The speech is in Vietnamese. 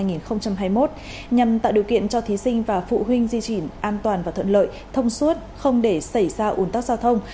nhằm tạo điều kiện cho thí sinh và phụ huynh di chuyển an toàn và thuận lợi thông suốt không để xảy ra ủn tắc giao thông